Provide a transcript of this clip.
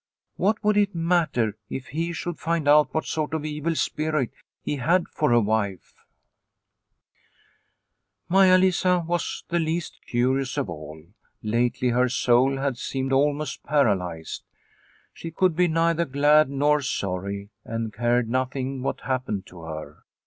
What would it matter if he should find out what sort of evil spirit he had for a wife ? Maia Lisa was the least curious of all. Lately her soul had seemed almost paralysed. She could be neither glad nor sorry, and cared nothing what happened to her.